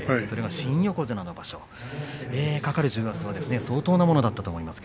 新横綱の場所、かかる重圧相当なものだったと思いますが。